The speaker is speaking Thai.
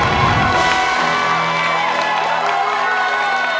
ทนบุรีตอนนี้ใจลูกแทบสิ้น